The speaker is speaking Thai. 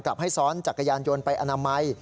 กลับให้ซ้อนจักรยานโยนไปอนามัย